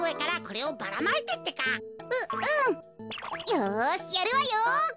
よしやるわよ。